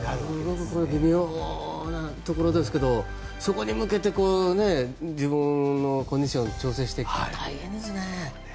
すごくこれ微妙なところですけどそこに向けて自分のコンディションを調整していくって大変ですね。